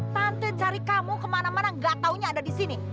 tante cari kamu kemana mana gak taunya ada di sini